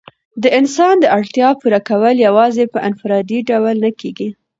د انسان د اړتیا پوره کول یوازي په انفرادي ډول نه کيږي.